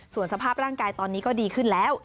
ส่วนสภาพร่างกายตอนนี้ก็ดีขึ้นแล้ว